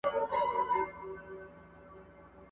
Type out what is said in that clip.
پت د خپل کهاله یې په صدف کي دی ساتلی !.